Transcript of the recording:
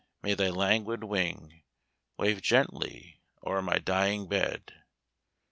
may thy languid wing Wave gently o'er my dying bed!